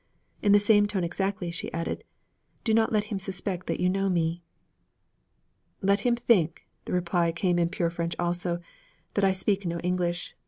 In the same tone exactly, she added, 'Do not let him suspect that you know me.' 'Let him think' the reply came in pure French also 'that I speak no English.